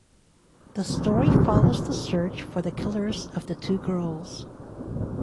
The story follows the search for the killers of the two girls.